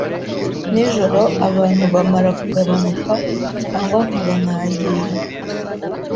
nijoro abantu bamara kugabanuka cyangwa nkaba nagiye